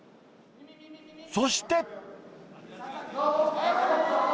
そして。